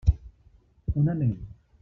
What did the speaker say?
On anem?